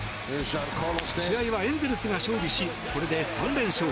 試合はエンゼルスが勝利しこれで３連勝。